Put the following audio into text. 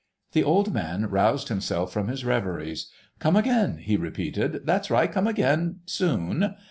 The old man roused himself from his reveries. "Come again," he repeated, "that's right, come again—soon.